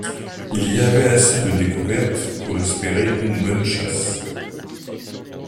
Il y avait assez de découverte pour espérer une bonne chasse.